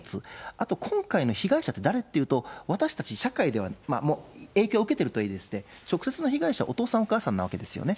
あと今回の被害者って誰っていうと、私たち社会も影響を受けてるとはいえ、直接の被害者はお父さん、お母さんなわけですよね。